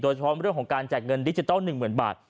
โดยเฉพาะเรื่องของการแจกเงินดิจิทัล๑เหมือนบาท